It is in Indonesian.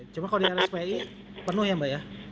cuma kalau di rspi penuh ya mbak ya